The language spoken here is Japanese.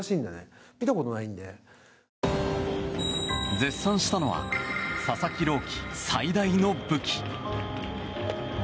絶賛したのは佐々木朗希最大の武器。